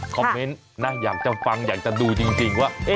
คอมเมนต์นะอยากจะฟังอยากจะดูจริงว่า